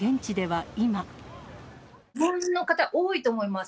日本の方、多いと思います。